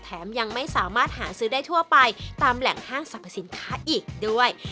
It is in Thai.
ยังไม่สามารถหาซื้อได้ทั่วไปตามแหล่งห้างสรรพสินค้าอีกด้วย